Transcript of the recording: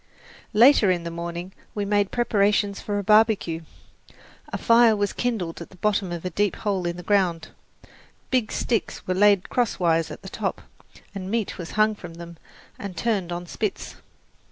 Later in the morning we made preparations for a barbecue. A fire was kindled at the bottom of a deep hole in the ground, big sticks were laid crosswise at the top, and meat was hung from them and turned on spits.